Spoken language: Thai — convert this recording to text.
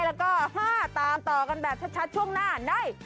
แล้วก็๕ตามต่อกันแบบชัดช่วงหน้าใน